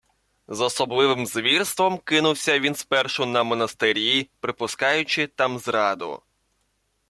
З особливим звірством кинувся він спершу на монастирі, припускаючи там зраду